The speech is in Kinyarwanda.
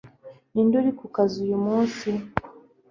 Ninde uri ku kazi uyu munsi FeuDRenais